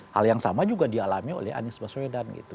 hal yang sama juga dialami oleh anies baswedan gitu